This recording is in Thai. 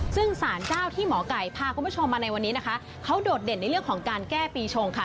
ซึ่งสารเจ้าที่หมอไก่พาคุณผู้ชมมาในวันนี้นะคะเขาโดดเด่นในเรื่องของการแก้ปีชงค่ะ